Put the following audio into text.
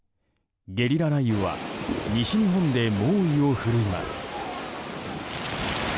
ゲリラ雷雨は西日本で猛威を振るいます。